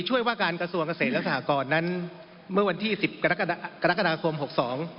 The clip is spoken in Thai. ช่วยว่าการกระทรวงเกษตรและสหกรณ์นั้นเมื่อวันที่๑๐กรกษ๖๒